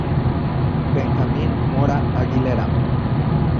Benjamín Mora Aguilera.